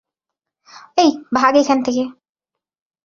এই, ভাগ এখান থেকে!